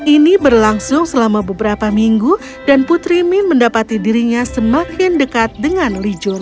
ini berlangsung selama beberapa minggu dan putri min mendapati dirinya semakin dekat dengan li jun